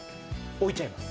置いちゃいます。